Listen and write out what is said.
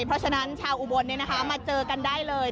เพราะฉะนั้นชาวอุบลเนี่ยนะคะมาเจอกันได้เลย